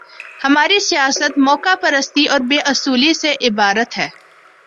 ہماری سیاست موقع پرستی اور بے اصولی سے عبارت ہے۔